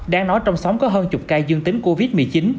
đáng nói trong xóm có hơn chục cây dương tính covid một mươi chín